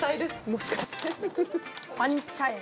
もしかして。